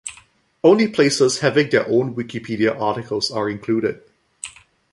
Only places having their own Wikipedia articles are included.